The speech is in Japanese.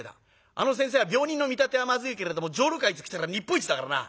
あの先生は病人の見立てはまずいけれども女郎買いときたら日本一だからな。